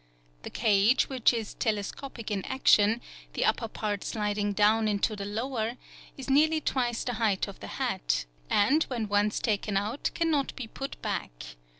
—The cage, which is telescopic in action, the upper part sliding down into the lower, is nearly twice the height of the hat, and when once taken out cannot be put back.